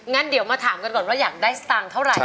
งั้นเดี๋ยวมาถามกันก่อนว่าอยากได้สตางค์เท่าไหร่